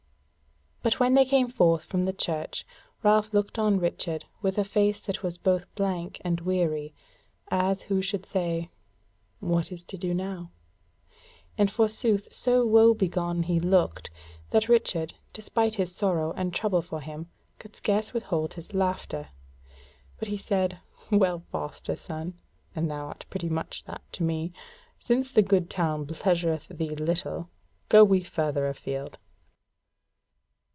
But when they came forth from the church, Ralph looked on Richard with a face that was both blank and weary, as who should say: "What is to do now?" And forsooth so woe begone he looked, that Richard, despite his sorrow and trouble for him, could scarce withhold his laughter. But he said: "Well, foster son (for thou art pretty much that to me), since the good town pleasureth thee little, go we further afield."